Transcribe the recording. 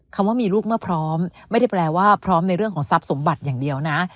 คำว่ามีลูกเมื่อพร้อมไม่ได้แปลว่าพร้อมในเรื่องของทรัพย์สมบัติอย่างเดียวนะ